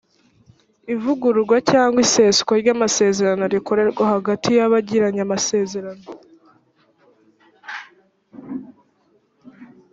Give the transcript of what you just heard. ivugururwa cyangwa iseswa ry’ amasezerano rikorwa hagati y’abagiranye amasezerano